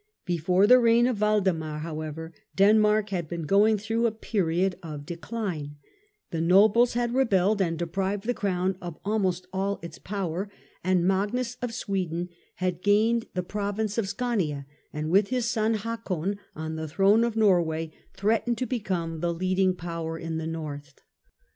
Before the reign of Waldemar, however, Denmark had been going through a period of decline ; the nobles had rebelled and deprived the Crown of almost all its power, and Magnus of Sweden had regained the Province of Skaania, and with his son Hakon on the throne of Norway threatened to become the leading power in the North.